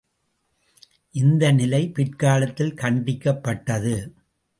இந்த நிலை பிற்காலத்தில் கண்டிக்கப்பட்டது.